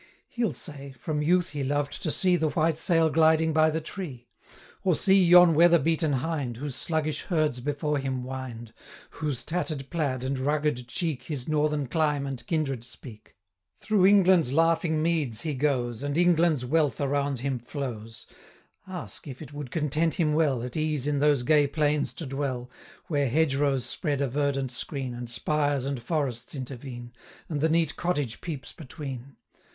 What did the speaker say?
He'll say, from youth he loved to see 135 The white sail gliding by the tree. Or see yon weatherbeaten hind, Whose sluggish herds before him wind, Whose tatter'd plaid and rugged cheek His northern clime and kindred speak; 140 Through England's laughing meads he goes, And England's wealth around him flows; Ask, if it would content him well, At ease in those gay plains to dwell, Where hedge rows spread a verdant screen, 145 And spires and forests intervene, And the neat cottage peeps between?